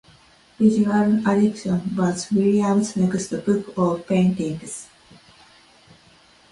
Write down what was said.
"Visual Addiction" was Williams's next book of paintings.